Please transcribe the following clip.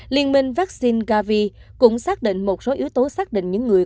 liên minh vaccine gavi cũng xác định một số yếu tố xác định những người